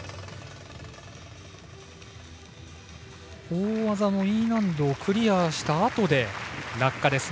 大技のＥ難度をクリアしたあとで落下です。